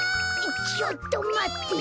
ちょっとまって。